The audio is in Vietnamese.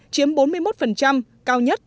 chiếm bốn mươi một cao nhất